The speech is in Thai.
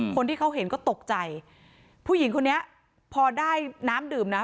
คนที่เขาเห็นก็ตกใจผู้หญิงคนนี้พอได้น้ำดื่มนะ